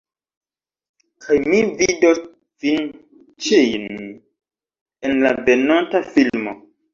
Kaj mi vidos vin ĉijn en la venonta filmo